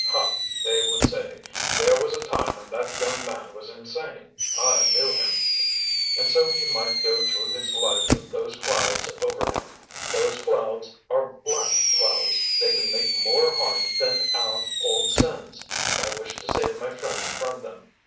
'Ha,' they would say, 'there was a time when that young man was insane. I knew him!' And so he might go through his life with those clouds over him. Those clouds are black clouds, they can make more harm than our old sins, and I wish to save my friend from them.